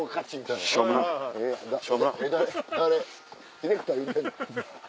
ディレクター言うてる？